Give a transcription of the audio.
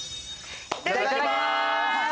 ・いただきます！